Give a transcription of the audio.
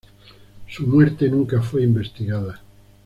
Su muerte nunca fue investigada.